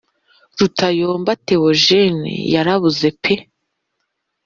Rutayomba Theogene yarabuze pe